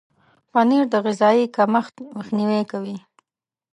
پنېر د غذایي کمښت مخنیوی کوي.